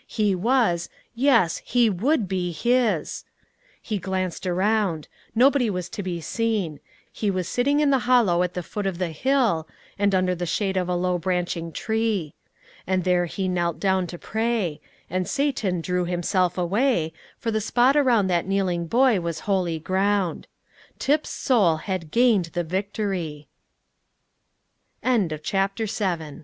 He was yes, he would be His! He glanced around. Nobody was to be seen; he was sitting in the hollow at the foot of the hill, and under the shade of a low branching tree. And there he knelt down to pray; and Satan drew himself away, for the spot around that kneeling boy was holy ground. Tip's soul had gained the victory. CHAPT